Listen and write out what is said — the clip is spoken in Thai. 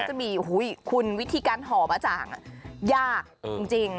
จะมีคุณวิธีการห่อบะจ่างยากจริง